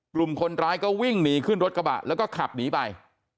กลุ่มคนร้ายก็วิ่งหนีขึ้นรถกระบะแล้วก็ขับหนีไป